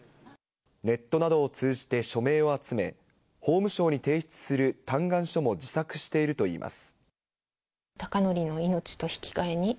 ネットなどを通じて署名を集め、法務省に提出する嘆願書も自作しているといいます。